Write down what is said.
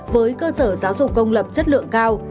với cơ sở giáo dục công lập chất lượng cao